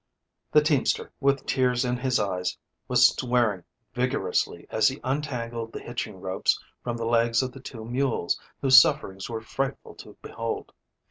The teamster, with tears in his eyes, was swearing vigorously as he untangled the hitching ropes from the legs of the two mules whose sufferings were frightful to behold.